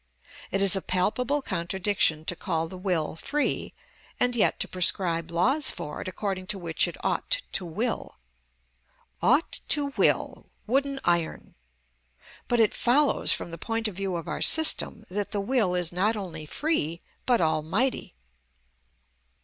It is a palpable contradiction to call the will free, and yet to prescribe laws for it according to which it ought to will. "Ought to will!"—wooden iron! But it follows from the point of view of our system that the will is not only free, but almighty.